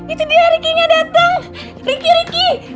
itu dia rikinya datang riki riki